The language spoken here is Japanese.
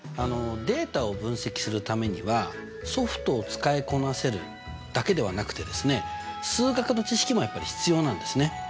データを分析するためにはソフトを使いこなせるだけではなくて数学の知識もやっぱり必要なんですね。